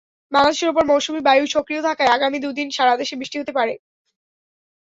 বাংলাদেশের ওপর মৌসুমি বায়ু সক্রিয় থাকায় আগামী দুদিন সারা দেশে বৃষ্টি হতে পারে।